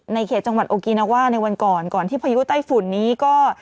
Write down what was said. เขตจังหวัดโอกินาว่าในวันก่อนก่อนที่พายุใต้ฝุ่นนี้ก็